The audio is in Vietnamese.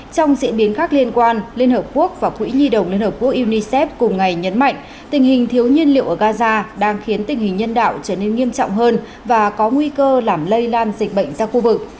trong diễn biến khác liên quan liên hợp quốc và quỹ nhi đồng liên hợp quốc unicef cùng ngày nhấn mạnh tình hình thiếu nhiên liệu ở gaza đang khiến tình hình nhân đạo trở nên nghiêm trọng hơn và có nguy cơ làm lây lan dịch bệnh ra khu vực